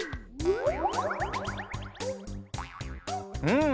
うん！